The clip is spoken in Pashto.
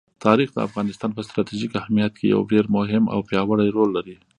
تاریخ د افغانستان په ستراتیژیک اهمیت کې یو ډېر مهم او پیاوړی رول لري.